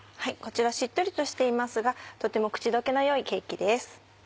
こちらしっとりとしていますがとても口溶けの良いケーキです。